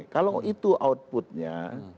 kalau itu outputnya